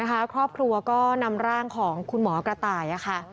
ครอบครัวก็นำร่างของคุณหมอกระต่ายค่ะ